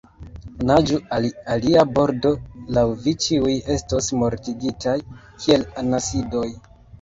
Naĝu al alia bordo, aŭ vi ĉiuj estos mortigitaj, kiel anasidoj!